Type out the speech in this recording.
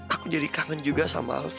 aku jadi kangen juga sama alvi